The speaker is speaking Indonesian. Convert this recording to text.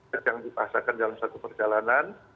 jangan dipasarkan dalam satu perjalanan